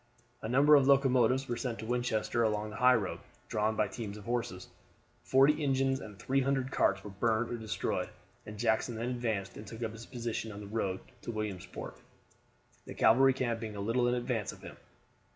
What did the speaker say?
A number of locomotives were sent to Winchester along the highroad, drawn by teams of horses. Forty engines and 300 cars were burned or destroyed, and Jackson then advanced and took up his position on the road to Williamsport, the cavalry camp being a little in advance of him.